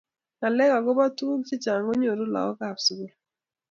ngalalet agoba tuguk chechang chenyoru lagookab susguly